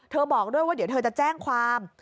บอกด้วยว่าเดี๋ยวเธอจะแจ้งความ